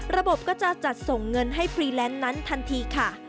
ระบบก็จะจัดส่งเงินให้ฟรีแลนซ์นั้นทันทีค่ะ